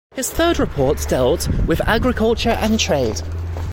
His third report dealt with agriculture and trade.